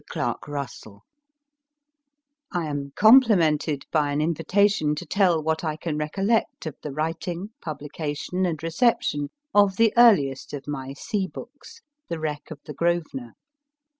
CLARK RUSSELL AM complimented by an invitation to tell what I can recollect of the writing, publication, and reception of the earliest of my sea books, The Wreck of the " Grosvenor."